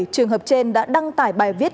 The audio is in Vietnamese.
trường hợp trên đã đăng tải bài viết